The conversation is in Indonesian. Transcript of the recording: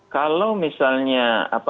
kalau misalnya ganjar